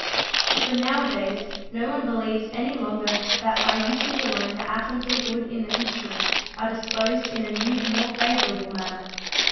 For now a days, no one believes any longer that by usage alone the atoms of wood in the instrument are disposed in a new and more favourable manner.